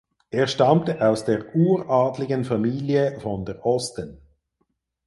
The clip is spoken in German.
Er stammte aus der uradligen Familie von der Osten.